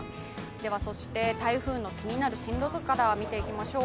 そして、台風の気になる進路図から見ていきましょう。